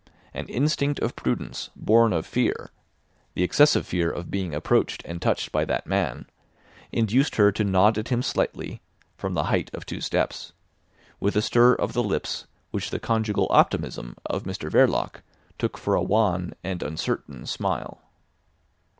An instinct of prudence born of fear, the excessive fear of being approached and touched by that man, induced her to nod at him slightly (from the height of two steps), with a stir of the lips which the conjugal optimism of Mr Verloc took for a wan and uncertain smile.